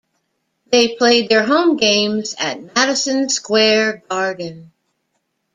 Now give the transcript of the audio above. They played their home games at Madison Square Garden.